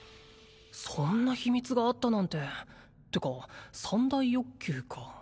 そんな秘密があったなんてってか三大欲求か